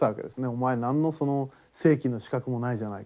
お前何のその正規の資格もないじゃないか。